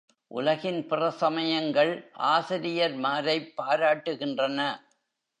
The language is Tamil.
உலகின் பிற சமயங்கள் ஆசிரியர்மாரைப் பாராட்டுகின்றன.